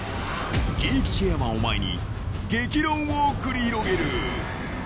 ［現役チェアマンを前に激論を繰り広げる］